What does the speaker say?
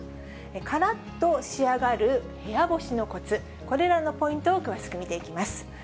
からっと仕上がる部屋干しのこつ、これらのポイントを詳しく見ていきます。